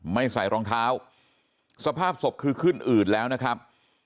ไม่ใส่รองเท้าสภาพศพคือขึ้นอืดแล้วนะครับ